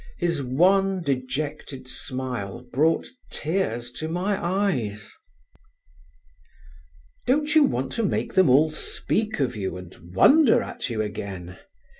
His wan dejected smile brought tears to my eyes. "Don't you want to make them all speak of you and wonder at you again?